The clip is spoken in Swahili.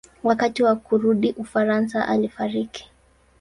Wakati wa kurudi Ufaransa alifariki.